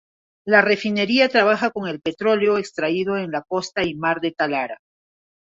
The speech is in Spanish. La refinería trabaja con el petróleo extraído en la costa y mar de Talara.